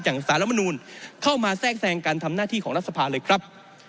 สารมนูลเข้ามาแทรกแทรงการทำหน้าที่ของรัฐสภาเลยครับ